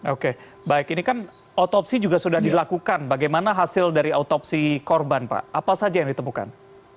oke baik ini kan otopsi juga sudah dilakukan bagaimana hasil dari autopsi korban pak apa saja yang ditemukan